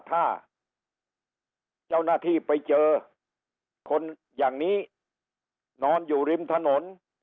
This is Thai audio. ถ้าเจ้าหน้าที่ไปเจอคนอย่างนี้นอนอยู่ริมถนน